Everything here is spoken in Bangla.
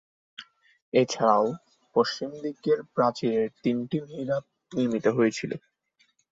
এছাড়াও, পশ্চিম দিকের প্রাচীরের তিনটি মিহরাব নির্মিত হয়েছিল।